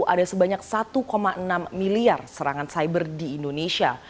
ada sebanyak satu enam miliar serangan cyber di indonesia